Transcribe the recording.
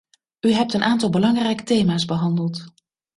U hebt een aantal belangrijke thema's behandeld.